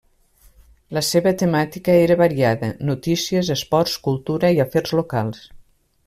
La seva temàtica era variada: notícies, esports, cultura i afers locals.